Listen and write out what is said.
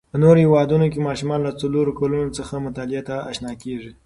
په نورو هیوادو کې ماشومان له څلورو کلونو څخه مطالعې ته آشنا کېږي.